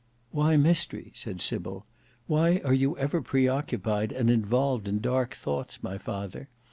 "Why mystery?" said Sybil. "Why are you ever pre occupied and involved in dark thoughts, my father?